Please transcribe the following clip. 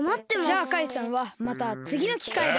じゃあカイさんはまたつぎのきかいで。